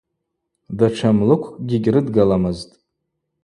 Датша млыквкӏгьи гьрыдгаламызтӏ.